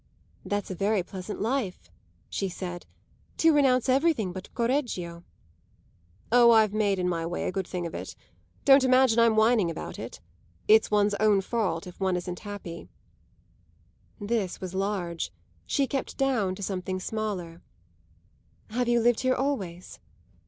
"That's a very pleasant life," she said, "to renounce everything but Correggio!" "Oh, I've made in my way a good thing of it. Don't imagine I'm whining about it. It's one's own fault if one isn't happy." This was large; she kept down to something smaller. "Have you lived here always?"